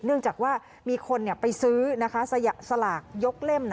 เนื่องจากว่ามีคนเนี้ยไปซื้อนะคะสระสลากยกเล่มน่ะ